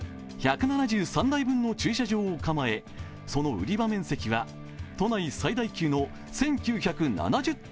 １７３台分の駐車場を構え、その売り場面積は都内最大級の１９７坪。